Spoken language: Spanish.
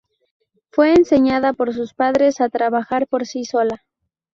Fue enseñada por sus padres a trabajar por sí sola.